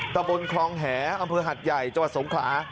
ตะบนคลองแหอำเภอหัดใหญ่จังหวัดสงขลา